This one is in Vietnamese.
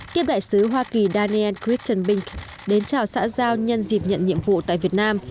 tiếp đại sứ hoa kỳ daniel christenbrink đến chào xã giao nhân dịp nhận nhiệm vụ tại việt nam